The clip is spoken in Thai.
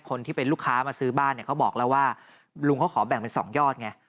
คนที่เป็นลูกค้ามาซื้อบ้านเนี่ยเขาบอกแล้วว่าลุงเขาขอแบ่งเป็น๒ยอดไง